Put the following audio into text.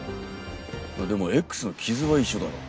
でもＸの傷は一緒だろ。